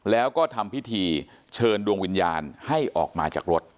แล้วก็ทำพิธีเชิญดวงวิญญาณให้ออกมาจากรถ